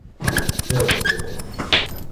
Све око тебе.